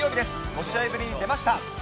５試合ぶりに出ました。